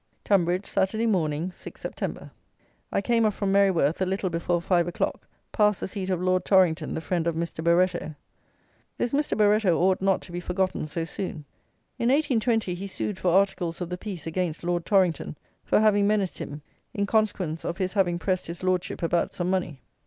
Tonbridge, Saturday morning, 6th Sept. I came off from Merryworth a little before five o'clock, passed the seat of Lord Torrington, the friend of Mr. Barretto. This Mr. Barretto ought not to be forgotten so soon. In 1820 he sued for articles of the peace against Lord Torrington, for having menaced him, in consequence of his having pressed his Lordship about some money.